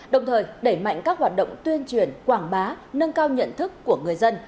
đồng thời đẩy mạnh các hoạt động tuyên truyền quảng bá nâng cao nhận thức của người dân